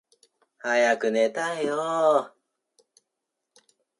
早く寝たいよーー